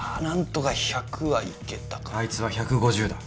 あいつは１５０だ。